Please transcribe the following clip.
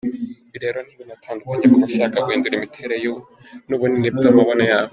Ibi rero ntibinatandukanye ku bashaka guhindura imiterere n’ubunini bw’amabuno yabo.